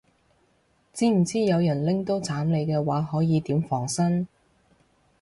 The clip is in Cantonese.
知唔知有人拎刀斬你嘅話可以點防身